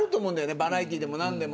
バラエティーでも何でも。